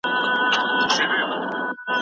موږ تبعید شوي یو، خو چا ویل؟ مات شوي نه یو